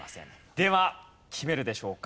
では決めるでしょうか？